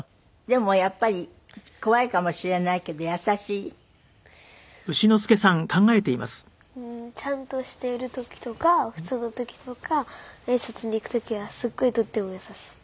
でもやっぱり怖いかもしれないけど優しい？ちゃんとしている時とか普通の時とか挨拶に行く時はすごいとても優しい。